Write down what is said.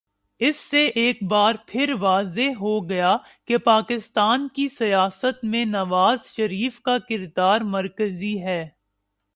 اس سے ایک بارپھر واضح ہو گیا کہ پاکستان کی سیاست میں نوازشریف کا کردار مرکزی ہے۔